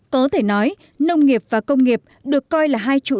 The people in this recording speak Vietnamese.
có thể nói nông nghiệp và công nghiệp được coi là hai chủ yếu